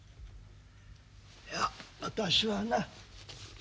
いや私はな